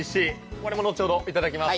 これも後ほどいただきます。